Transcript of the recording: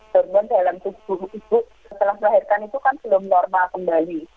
kemudian dalam tubuh ibu setelah melahirkan itu kan belum normal kembali